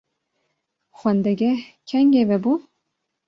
Xwendegeh kengî vebû?